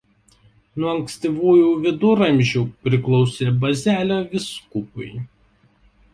Nuo ankstyvųjų viduramžių priklausė Bazelio vyskupui.